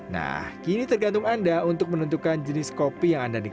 nah kini tergantung anda untuk menentukan jenis kopi yang anda nikmat